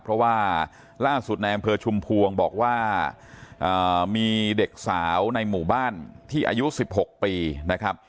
เพราะว่าล่าสุดในอำเภอชุมพวงบอกว่ามีเด็กสาวในหมู่บ้านที่อายุ๑๖ปีนะครับ